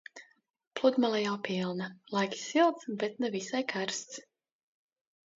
Pludmale jau pilna. Laiks silts, bet ne visai karsts.